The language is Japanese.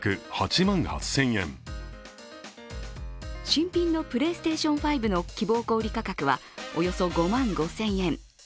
新品のプレイステーション５の希望小売価格はおよそ５万５０００円。